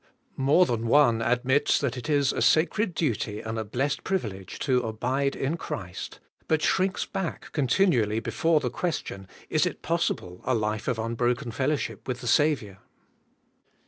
MOEE than one admits that it is a sacred duty and a blessed privilege to abide in Christ, but shrinks back continually before the question : Is it possible, a life of unbroken fellowship with the Sa viour?